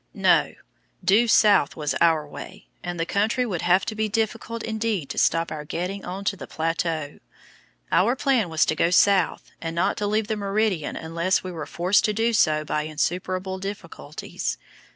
No; due south was our way, and the country would have to be difficult indeed to stop our getting on to the plateau. Our plan was to go south, and not to leave the meridian unless we were forced to do so by insuperable difficulties.